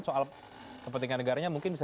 soal kepentingan negaranya mungkin bisa